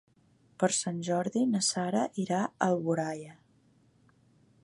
Per Sant Jordi na Sara irà a Alboraia.